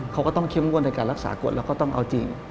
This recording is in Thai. เขาก็ต้องเข้มงวดในการรักษากฎแล้วก็ต้องเอาจริง